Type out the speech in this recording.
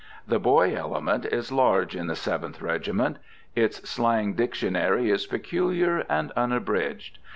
The boy element is large in the Seventh Regiment. Its slang dictionary is peculiar and unabridged.